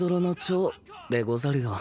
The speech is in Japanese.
でござるよ。